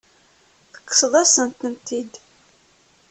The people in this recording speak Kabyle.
Tekkseḍ-asen-tent-id.